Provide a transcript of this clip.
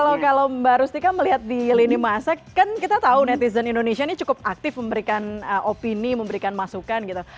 kalau mbak rustika melihat di lini masa kan kita tahu netizen indonesia ini cukup aktif memberikan opini memberikan masukan gitu